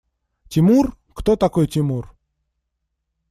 Тимур? Кто такой Тимур?